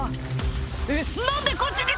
「えっ何でこっちに」